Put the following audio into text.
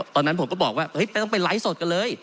ตอนนั้นผมก็บอกว่าไม่ต้องไปไลฟ์สดกันเลย